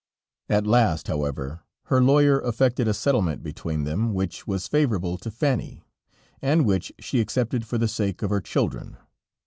At last, however, her lawyer effected a settlement between them, which was favorable to Fanny, and which she accepted for the sake of her children.